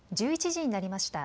１１時になりました。